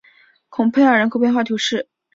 孔佩尔人口变化图示